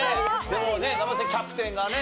でもね生瀬キャプテンがね